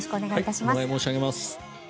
お願い申し上げます。